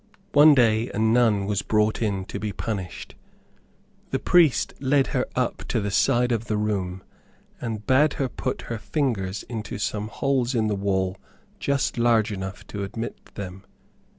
One day a nun was brought in to be punished. The priest led her up to the side of the room, and bade her put her fingers into some holes in the wall just large enough to admit them.